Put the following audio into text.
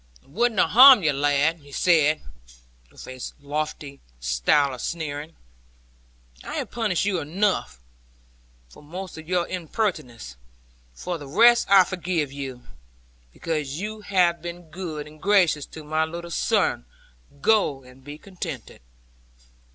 'I would not harm you, lad,' he said, with a lofty style of sneering: 'I have punished you enough, for most of your impertinence. For the rest I forgive you; because you have been good and gracious to my little son. Go, and be contented.'